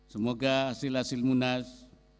semoga hasil hasil munas